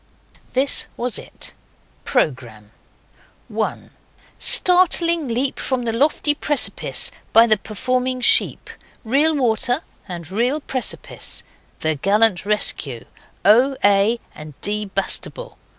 This was it: PROGRAMME 1. Startling leap from the lofty precipice by the performing sheep. Real water, and real precipice. The gallant rescue. O. A. and D. Bastable.